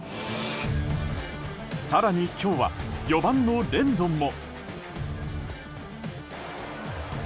更に今日は４番のレンドンも。